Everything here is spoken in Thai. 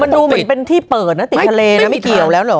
มันดูเหมือนเป็นที่เปิดนะติดทะเลนะไม่เกี่ยวแล้วเหรอ